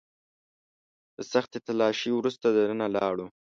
د سختې تلاشۍ وروسته دننه لاړو.